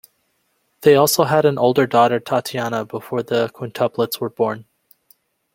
They also had an older daughter Tatiana before the quintuplets were born.